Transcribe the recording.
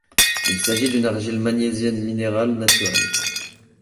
Il s'agit d' une argile magnésienne minérale naturelle.